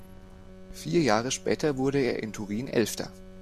Vier Jahre später wurde er in Turin Elfter.